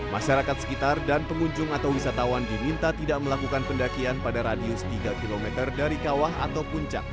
masyarakat sekitar dan pengunjung atau wisatawan diminta tidak melakukan pendakian pada radius tiga km dari kawah atau puncak